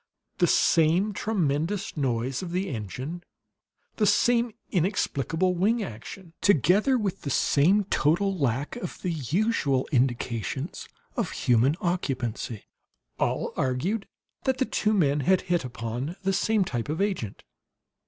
The same tremendous noise of the engine, the same inexplicable wing action, together with the same total lack of the usual indications of human occupancy, all argued that the two men had hit upon the same type of agent.